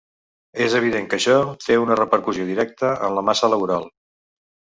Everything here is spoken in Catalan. És evident que això té una repercussió directa en la massa laboral.